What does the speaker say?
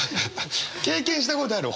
経験したことある？